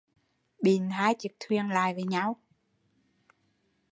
Bịn hai chiếc thuyền lại với nhau